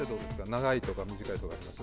長いとか短いとかあります？